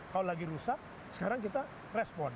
kalau lagi rusak sekarang kita respon